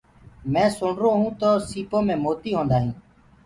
مينٚ سُڻرو هونٚ تو سيٚپو مي موتي هوندآ هينٚ۔